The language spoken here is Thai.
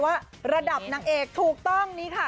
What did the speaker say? ว่าระดับนางเอกถูกต้องนี้ค่ะ